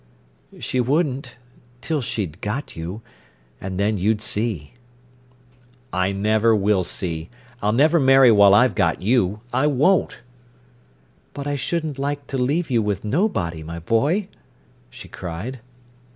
"She wouldn't—till she'd got you—and then you'd see." "I never will see. I'll never marry while I've got you—I won't." "But I shouldn't like to leave you with nobody, my boy," she cried.